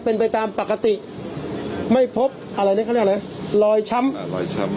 เป็นไปตามปกติไม่พบอะไรเนี่ยเขาเรียกอะไรรอยช้ำรอยช้ำ